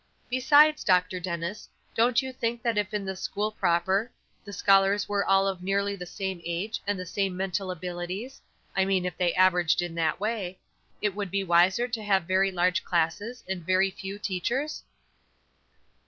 Besides, Dr. Dennis, don't you think that if in the school proper, the scholars were all of nearly the same age and the same mental abilities I mean if they averaged in that way it would be wiser to have very large classes and very few teachers?"